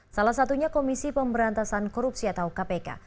salah satunya komisi pemberantasan korupsi atau kpk